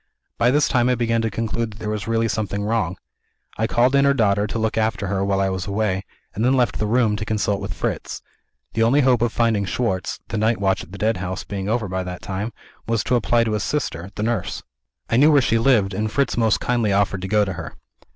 By this time I began to conclude that there was really something wrong. I called in her daughter to look after her while I was away, and then left the room to consult with Fritz. The only hope of finding Schwartz (the night watch at the Deadhouse being over by that time) was to apply to his sister the nurse. I knew where she lived; and Fritz most kindly offered to go to her.